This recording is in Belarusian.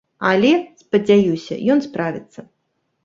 Але, спадзяюся, ён справіцца.